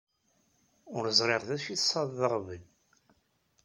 Ur ẓriɣ d acu i tesɛiḍ d aɣbel.